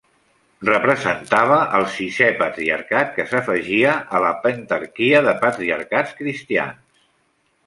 Representava el sisè patriarcat que s'afegia a la pentarquia de patriarcats cristians.